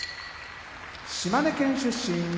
島根県出身